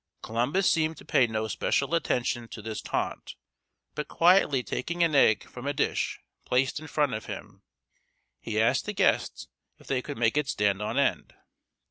Columbus seemed to pay no special attention to this taunt, but quietly taking an egg from a dish placed in front of him, he asked the guests if they could make it stand on end.